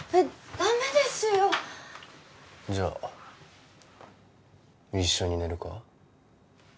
ダメですよじゃあ一緒に寝るか？